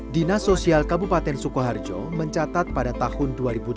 dinas sosial kabupaten sukoharjo mencatat pada tahun dua ribu delapan belas